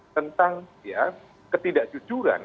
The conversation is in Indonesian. tentang ya ketidakjujuran